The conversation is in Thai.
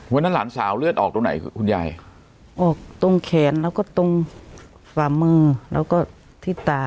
หลานสาวเลือดออกตรงไหนคุณยายออกตรงแขนแล้วก็ตรงฝ่ามือแล้วก็ที่ตา